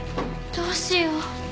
どうしよう。